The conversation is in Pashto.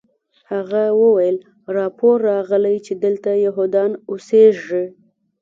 هغه وویل راپور راغلی چې دلته یهودان اوسیږي